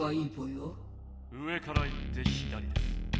上から行って左です。